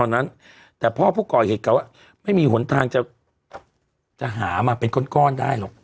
พอั้นเนี้ยแต่พ่อปกรเหตุเขาอ่ะไม่มีทางจะจะหามาเป็นก้นก้อนได้หรอก